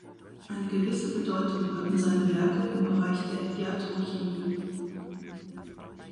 Eine gewisse Bedeutung hatten seine Werke im Bereich der Iatrochemie.